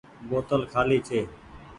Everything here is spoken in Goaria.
بوتل کآلي ڇي۔